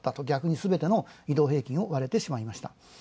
逆にすべての平均を割れてしまいました。